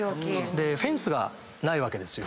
でフェンスがないわけですよ。